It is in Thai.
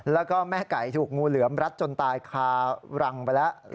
แล้วก็แม่ไก่ถูกงูเหลือมรัดจนตายคารังไปแล้ว